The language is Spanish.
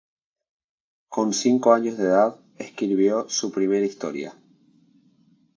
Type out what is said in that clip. Con cinco años de edad, escribió su primera historia.